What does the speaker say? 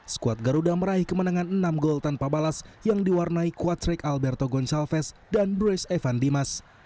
skuad garuda meraih kemenangan enam gol tanpa balas yang diwarnai kwatrik alberto goncalves dan bruce evan dimas